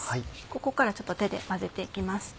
ここからちょっと手で混ぜて行きます。